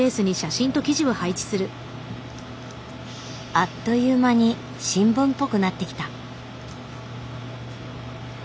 あっという間に新聞っぽくなってきた。